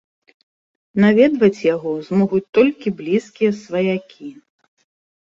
Наведваць яго змогуць толькі блізкія сваякі.